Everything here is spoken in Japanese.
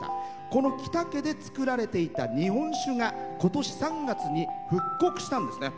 この喜多家で造られていた日本酒がことし３月に復刻したんですね。